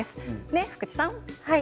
ね、福地さん。